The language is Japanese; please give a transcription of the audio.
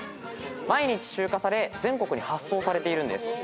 毎日集荷され全国に発送されているんです。